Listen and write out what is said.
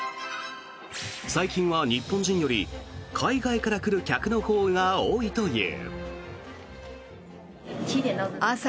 最近は日本人より海外から来る客のほうが多いという。